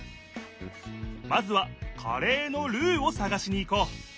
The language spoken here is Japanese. まずはカレーのルーをさがしに行こう。